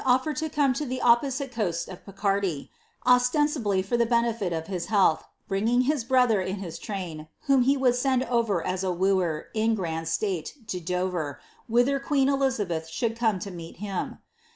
offered to come to the opposite eonai r ostensibly for the bene^i of hia health, bringing his brother ii whom be would send ofer as a wooer, in grand stale, to Don queen Elizabeth should come to meet him.